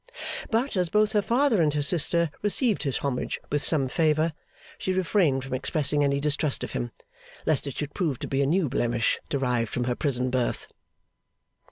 But, as both her father and her sister received his homage with some favour, she refrained from expressing any distrust of him, lest it should prove to be a new blemish derived from her prison birth.